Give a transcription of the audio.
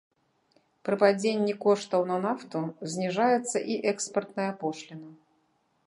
Пры падзенні коштаў на нафту зніжаецца і экспартная пошліна.